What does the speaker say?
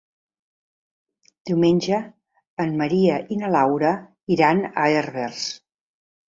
Diumenge en Maria i na Laura iran a Herbers.